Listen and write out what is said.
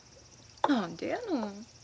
何でやの。